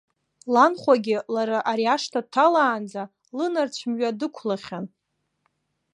Ланхәагьы, лара ари ашҭа дҭалаанӡа, лынарцә мҩа дықәлахьан.